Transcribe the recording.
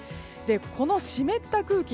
この湿った空気